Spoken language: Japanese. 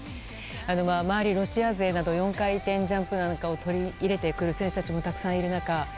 周りはロシア勢など４回転ジャンプを取り入れてくる選手たちもたくさんいる中